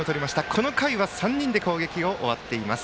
この回は３人で攻撃が終わっています。